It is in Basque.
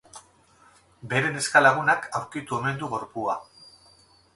Bere neska-lagunak aurkitu omen du gorpua.